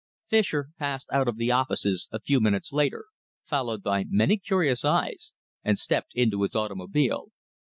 Fischer passed out of the offices a few minutes later, followed by many curious eyes, and stepped into his automobile.